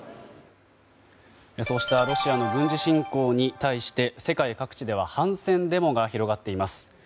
そうしたロシアの軍事侵攻に対して世界各地では反戦デモが広がっています。